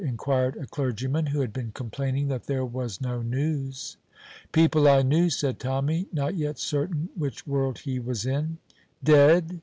inquired a clergyman who had been complaining that there was no news. "People I knew," said Tommy, not yet certain which world he was in. "Dead?"